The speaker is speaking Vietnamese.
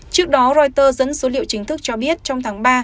trước đó reuters dẫn số liệu chính thức cho biết trong tháng ba